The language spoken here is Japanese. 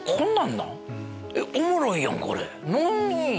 おもろいやんこれ！